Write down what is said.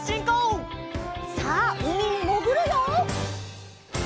さあうみにもぐるよ！